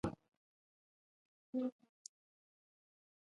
Na na talung.